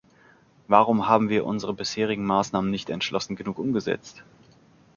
Warum haben wir unsere bisherigen Maßnahmen nicht entschlossen genug umgesetzt?